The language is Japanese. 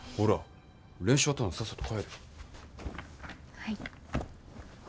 はい。